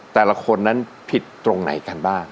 แต่ละคนนั้นผิดตรงไหนกันบ้าง